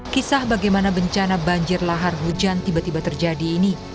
kisah bagaimana bencana banjir lahar hujan tiba tiba terjadi ini